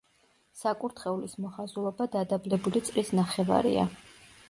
საკურთხევლის მოხაზულობა დადაბლებული წრის ნახევარია.